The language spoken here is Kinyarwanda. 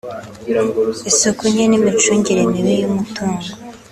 isuku nke n’imicungire mibi y’umutungo